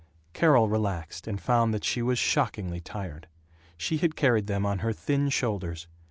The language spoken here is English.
Carol relaxed, and found that she was shockingly tired. She had carried them on her thin shoulders.